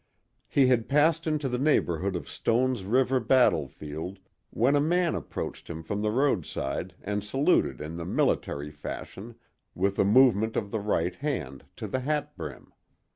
He had passed into the neighborhood of Stone's River battlefield when a man approached him from the roadside and saluted in the military fashion, with a movement of the right hand to the hat brim.